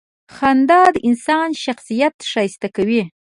• خندا د انسان شخصیت ښایسته کوي.